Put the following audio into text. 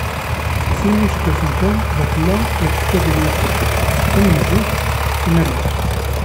Sin n yiseggasen kan d afella yeṭṭef tadwilt tamenzut iman-is.